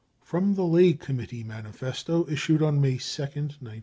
55 (From the Ley Committee manifesto issued on May 2nd, 1933.)